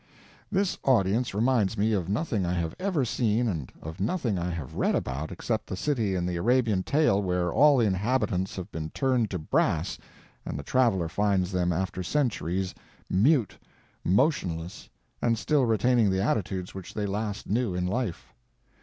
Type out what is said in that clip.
This audience reminds me of nothing I have ever seen and of nothing I have read about except the city in the Arabian tale where all the inhabitants have been turned to brass and the traveler finds them after centuries mute, motionless, and still retaining the attitudes which they last knew in life.